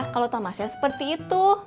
kalau thomasnya seperti itu